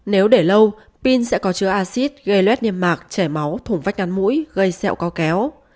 nếu để lâu pin sẽ có chứa axit gây luet niêm mạc chảy máu thủng vách ngắn mũi gây sẹo cao kéo